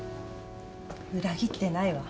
裏切ってないわ。